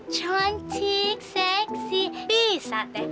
cantik seksi bisa teh